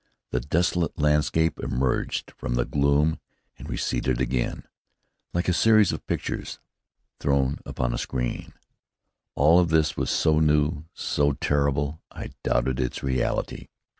The desolate landscape emerged from the gloom and receded again, like a series of pictures thrown upon a screen. All of this was so new, so terrible, I doubted its reality.